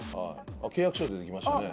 契約書出てきましたね。